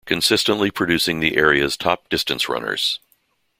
Consistently producing the area's top distance runners.